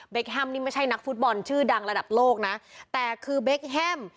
แฮมนี่ไม่ใช่นักฟุตบอลชื่อดังระดับโลกนะแต่คือเบคแฮม